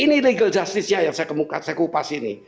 ini legal justice nya yang saya kupas ini